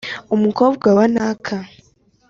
Umukobwa wa Naka